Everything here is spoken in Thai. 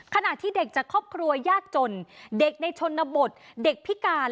ขณะที่เด็กจากครอบครัวยากจนเด็กในชนบทเด็กพิการ